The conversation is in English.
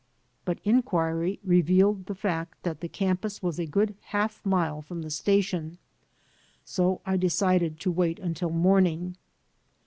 But inquiry revealed the fact that the campus was a good half mile from the station, so I decided to wait until morning.